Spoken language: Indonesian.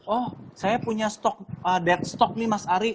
oh saya punya stok dead stock nih mas ari